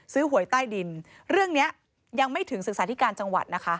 หวยใต้ดินเรื่องนี้ยังไม่ถึงศึกษาธิการจังหวัดนะคะ